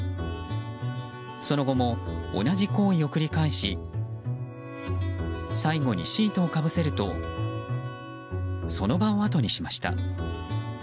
その後も同じ行為を繰り返し最後にシートをかぶせるとその場をあとにしました。